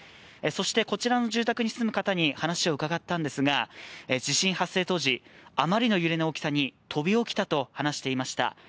そしてこちらの住宅に住む方に話を伺ったんですが地震発生当時、あまりの揺れの大きさに飛び起きたと話していました。